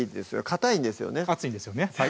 かたいんですよね熱いんですよね